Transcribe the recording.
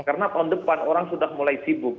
karena tahun depan orang sudah mulai sibuk